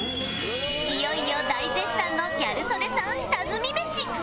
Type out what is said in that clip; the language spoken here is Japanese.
いよいよ大絶賛のギャル曽根さん下積みメシ